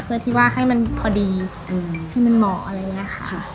เพื่อที่ว่าให้มันพอดีให้มันเหมาะอะไรอย่างนี้ค่ะ